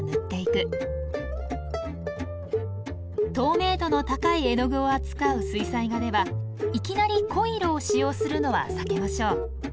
透明度の高い絵の具を扱う水彩画ではいきなり濃い色を使用するのは避けましょう。